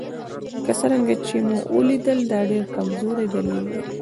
لکه څرنګه چې ومو لیدل دا ډېر کمزوری دلیل دی.